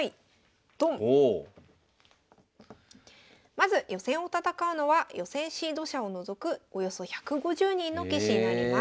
まず予選を戦うのは予選シード者を除くおよそ１５０人の棋士になります。